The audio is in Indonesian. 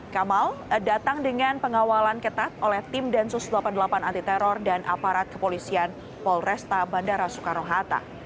kamal datang dengan pengawalan ketat oleh tim densus delapan puluh delapan anti teror dan aparat kepolisian polresta bandara soekarno hatta